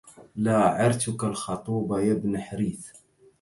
لا عرتك الخطوب يا ابن حريث